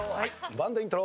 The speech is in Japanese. バンドイントロ。